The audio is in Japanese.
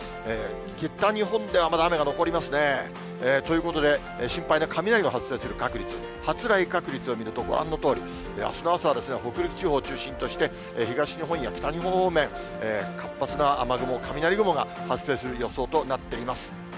北日本ではまだ雨が残りますね。ということで、心配な雷の発生する確率、発雷確率を見ると、ご覧のとおり、あすの朝はですね、北陸地方を中心として、東日本や北日本方面、活発な雨雲、雷雲が発生する予想となっています。